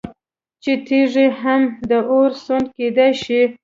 چې تيږي هم د اور سوند كېدى شي